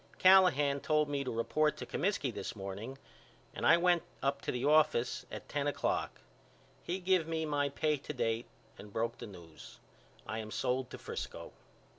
Callahan told me to report to Comiskey this morning and I went up to the office at ten o'clock. He give me my pay to date and broke the news. I am sold to Frisco.